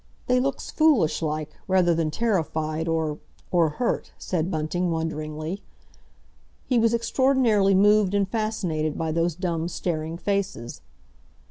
"They looks foolish like, rather than terrified, or—or hurt," said Bunting wonderingly. He was extraordinarily moved and fascinated by those dumb, staring faces.